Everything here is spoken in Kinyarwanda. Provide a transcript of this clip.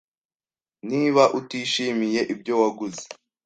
"Niba utishimiye ibyo waguze,